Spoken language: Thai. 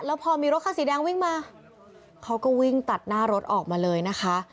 แล้วพอมีรถคันสีแดงวิ่งมาเขาก็วิ่งตัดหน้ารถออกมาเลยนะคะ